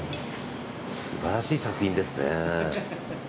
素晴らしい作品ですね。